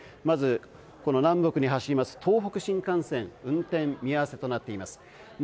まず、南北に走る東北新幹線は運転見合わせとなっています。